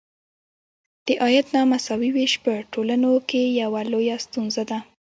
د عاید نامساوي ویش په ټولنو کې یوه لویه ستونزه ده.